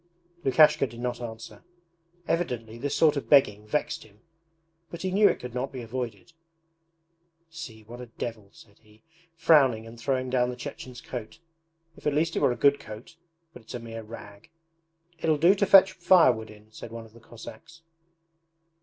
Lukashka did not answer. Evidently this sort of begging vexed him but he knew it could not be avoided. 'See, what a devil!' said he, frowning and throwing down the Chechen's coat. 'If at least it were a good coat, but it's a mere rag.' 'It'll do to fetch firewood in,' said one of the Cossacks.